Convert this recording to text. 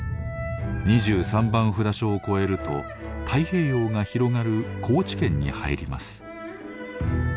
二十三番札所を越えると太平洋が広がる高知県に入ります。